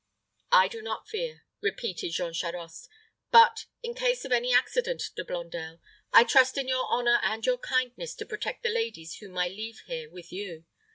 "I do not fear," repeated Jean Charost. "But, in case of any accident, De Blondel, I trust in your honor and your kindness to protect the ladies whom I leave here with you.